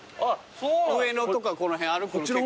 上野とかこの辺歩くの結構。